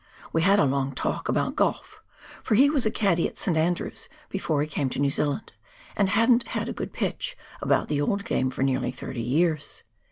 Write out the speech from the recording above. We had a long talk about golf, for he was a caddie at St. Andrew's before he came to New Zealand, and " hadn't had a good * pitch ' about the old game for nearly thirty years."